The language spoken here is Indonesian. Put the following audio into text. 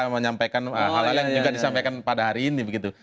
menyampaikan hal hal yang juga disampaikan pada hari ini begitu